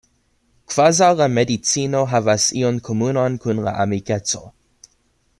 Kvazau la medicino havas ion komunan kun la amikeco.